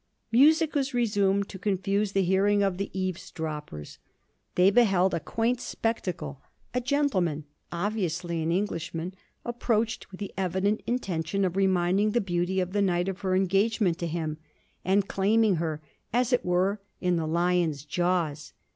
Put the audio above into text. Music was resumed to confuse the hearing of the eavesdroppers. They beheld a quaint spectacle: a gentleman, obviously an Englishman, approached, with the evident intention of reminding the Beauty of the night of her engagement to him, and claiming her, as it were, in the lion's jaws.